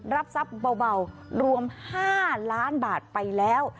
รับทรัพย์เบารวม๕ล้านบาทไปแล้ว